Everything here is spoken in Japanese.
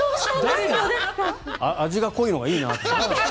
味が濃いのがいいなと思って。